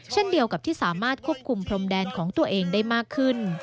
เช่นเดียวกับที่สามารถควบคุมพรมแดนของตัวเองได้มากขึ้น